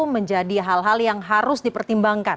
menjadi hal hal yang harus dipertimbangkan